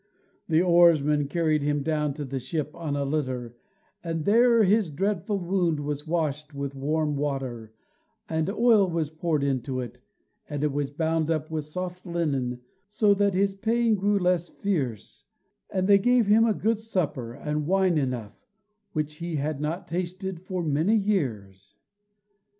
The oarsmen carried him down to the ship on a litter, and there his dreadful wound was washed with warm water, and oil was poured into it, and it was bound up with soft linen, so that his pain grew less fierce, and they gave him a good supper and wine enough, which he had not tasted for many years.